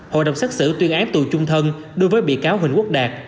hội đồng xét xử tuyên án tù chung thân đối với bị cáo huỳnh quốc đạt